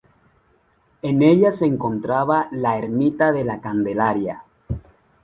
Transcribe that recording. En ella se encontraba la Ermita de la Candelaria.